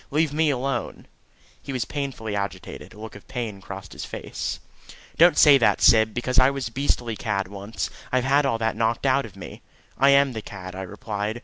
Leave me alone." He was painfully agitated. A look of pain crossed his face. "Don't say that, Syb, because I was a beastly cad once: I've had all that knocked out of me." "I am the cad," I replied.